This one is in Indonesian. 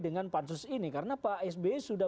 dengan pansus ini karena pak sby sudah